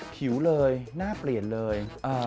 ผิวเลยหน้าเปลี่ยนเลย